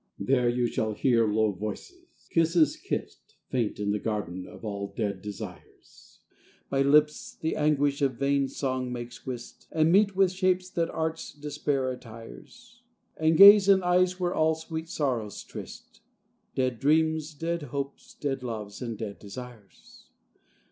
There you shall hear low voices; kisses kissed, Faint in the Garden of all Dead Desires, By lips the anguish of vain song makes whist; And meet with shapes that art's despair attires; And gaze in eyes where all sweet sorrows tryst Dead dreams, dead hopes, dead loves, and dead desires.